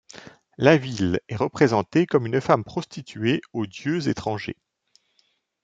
La ville est représentée comme une femme prostituée aux dieux étrangers.